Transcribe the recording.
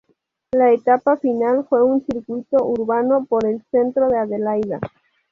La etapa final fue un circuito urbano por el centro de Adelaida.